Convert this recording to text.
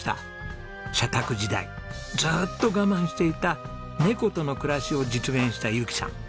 社宅時代ずっと我慢していたネコとの暮らしを実現した由紀さん。